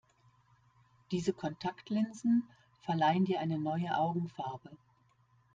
Diese Kontaktlinsen verleihen dir eine neue Augenfarbe.